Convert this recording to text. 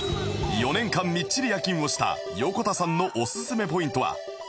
４年間みっちり夜勤をしたヨコタさんのおすすめポイントは？